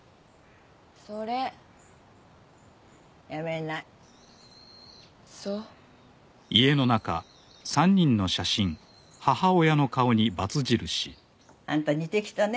それやめないそうあんた似てきたね